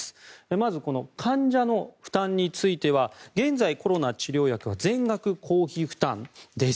まず、この患者の負担については現在、コロナ治療薬は全額公費負担です。